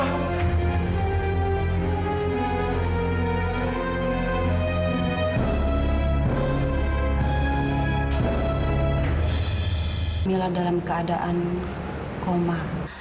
kamila dalam keadaan koma